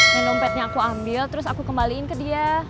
yang dompetnya aku ambil terus aku kembaliin ke dia